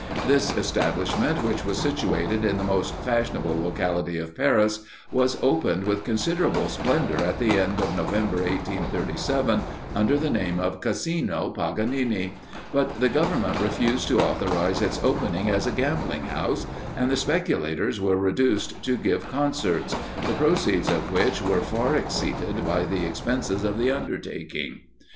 This establishment, which was situated in the most fashionable locality of Paris, was opened with considerable splendour at the end of November, 1837, under the name of Casino Paganini; but the Government refused to authorize its opening as a gambling house, and the speculators were reduced to give concerts, the proceeds of which were far exceeded by the expenses of the undertaking.